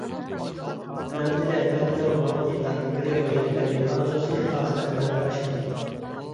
مەمتىلى ئەپەندىنىڭ نۇرغۇن يىللاردىن بېرى ئويلاپ كەلگەن ئارزۇسى ئاخىر ئەمەلگە ئاشىدۇ.